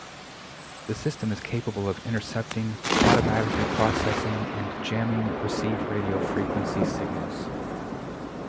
The system is capable of intercepting, automatically processing and jamming received radio frequency signals.